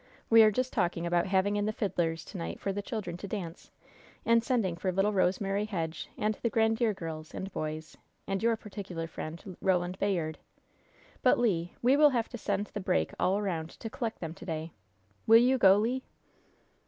"We are just talking about having in the fiddlers to night for the children to dance, and sending for little Rosemary Hedge and the Grandiere girls and boys, and your particular friend, Roland Bayard. But, Le, we will have to send the break all around to collect them to day. Will you go, Le?"